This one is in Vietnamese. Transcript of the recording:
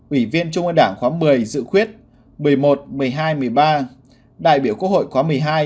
ủy viên trung ương đảng khóa một mươi dự khuyết một mươi một một mươi hai một mươi ba đại biểu quốc hội khóa một mươi hai một mươi bốn một mươi năm